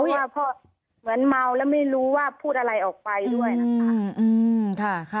เพราะว่าพ่อเหมือนเมาแล้วไม่รู้ว่าพูดอะไรออกไปด้วยนะคะ